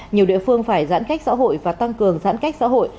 nhiều địa phương phải giãn cách xã hội và tăng cường giãn cách xã hội